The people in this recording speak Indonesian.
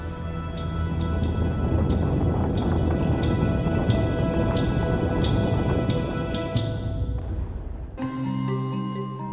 kembali ke kota baruta